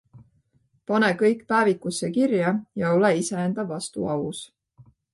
Pane kõik päevikusse kirja ja ole iseenda vastu aus.